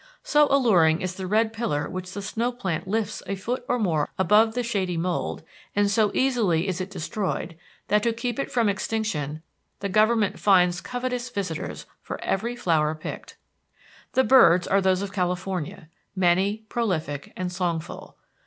So luring is the red pillar which the snow plant lifts a foot or more above the shady mould, and so easily is it destroyed, that, to keep it from extinction, the government fines covetous visitors for every flower picked. The birds are those of California many, prolific, and songful.